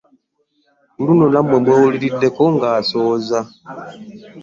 Ku luno namwewuliribiddeko ng'ansooza.